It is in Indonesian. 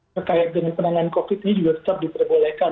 terkait dengan penanganan covid ini juga tetap diperbolehkan